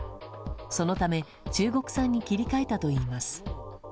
そのため中国産に切り替えたといいます。